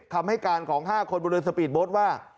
คำให้การของ๕คนบนเรือสปีดโบ๊ทว่า